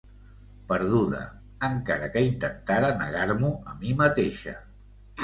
Perduda, encara que intentara negar-m'ho a mi mateixa.